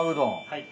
はい。